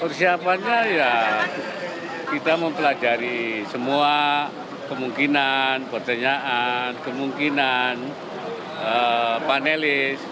persiapannya ya kita mempelajari semua kemungkinan pertanyaan kemungkinan panelis